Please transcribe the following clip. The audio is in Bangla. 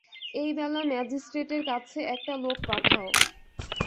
এইবেলা ম্যাজিস্ট্রেটের কাছে একটা লোক পাঠাও।